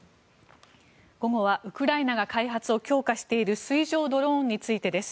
午後はウクライナが開発を強化している水上ドローンについてです。